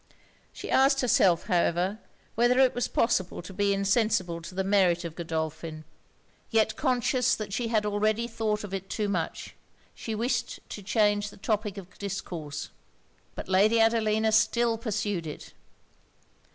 She asked herself, however, whether it was possible to be insensible of the merit of Godolphin? Yet conscious that she had already thought of it too much, she wished to change the topic of discourse But Lady Adelina still pursued it.